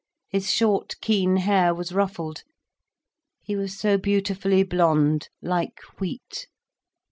His short, keen hair was ruffled. He was so beautifully blond, like wheat.